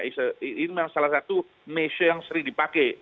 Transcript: ini memang salah satu mesu yang sering dipakai